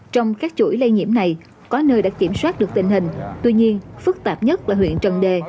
trong các chuỗi lây nhiễm này có nơi đã kiểm soát được tình hình tuy nhiên phức tạp nhất là huyện trần đề